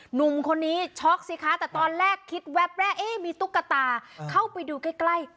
หนุ่มคนนี้ช็อกสิคะแต่ตอนแรกคิดแวบแรกเอ๊ะมีตุ๊กตาเข้าไปดูใกล้ใกล้